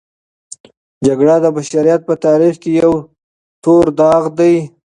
جګړه د بشریت په تاریخ کې یوه توره داغ دی.